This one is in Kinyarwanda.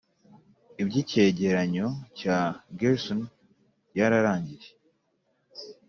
iby'icyegeranyo cya gersony byarangiriye.